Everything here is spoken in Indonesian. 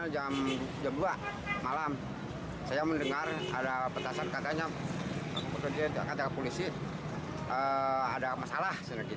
jam dua malam saya mendengar ada petasan katanya polisi ada masalah